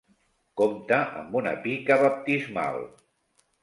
Compta amb una pica Baptismal.